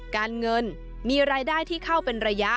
การเงินมีรายได้ที่เข้าเป็นระยะ